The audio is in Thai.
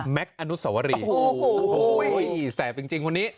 แม็กซ์อนุสวรีโอ้โหแสบจริงจริงคนนี้